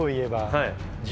はい。